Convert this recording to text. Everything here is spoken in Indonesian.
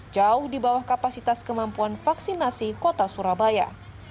jauh di bawah kapasitas kemampuan vaksinasi kota surabaya